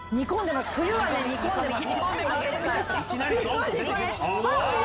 冬は煮込んでます。